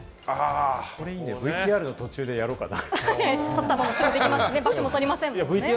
これＶＴＲの途中でやろうかな。